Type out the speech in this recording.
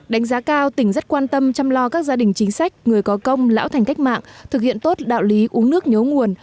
đánh giá cao tỉnh rất quan tâm chăm lo các gia đình chính sách người có công lão thành cách mạng thực hiện tốt đạo lý uống nước nhớ nguồn